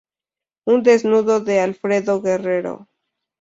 Un desnudo de Alfredo Guerrero.